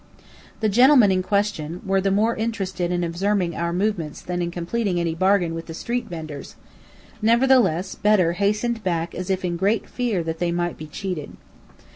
The "gen'lemen" in question were more interested in observing our movements than in completing any bargain with the street vendors; nevertheless Bedr hastened back as if in great fear that they might be cheated.